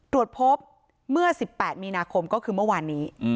ตรวจพบเมื่อ๑๘มีนาคมก็คือเมื่อวานนี้